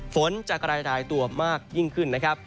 ฝนจะกระดายตัวมากยิ่งขึ้นนะครับ